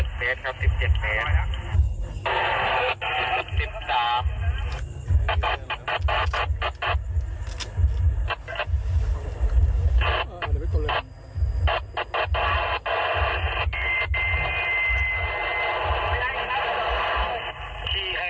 ตอนนี้เราชาร์จเป้าหมายเลยครับ